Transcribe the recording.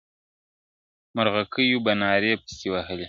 مرغکیو به نارې پسي وهلې-